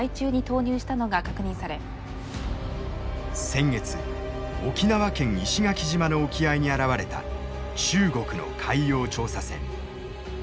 先月沖縄県石垣島の沖合に現れた中国の海洋調査船。